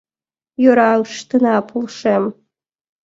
— Йӧра, ыштена, полшем...